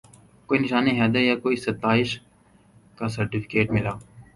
کوئی نشان حیدر یا کوئی ستائش کا سرٹیفکیٹ ملا